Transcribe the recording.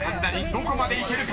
どこまでいけるか？］